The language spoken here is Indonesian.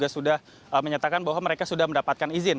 sudah menyatakan bahwa mereka sudah mendapatkan izin